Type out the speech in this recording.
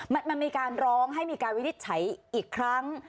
มันมีการร้องให้มีการวินิจฉัยอีกครั้ง